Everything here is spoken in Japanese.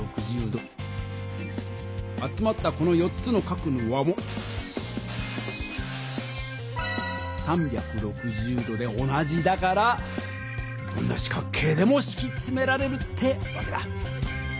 集まったこの４つの角の和も３６０度で同じだからどんな四角形でもしきつめられるってわけだ。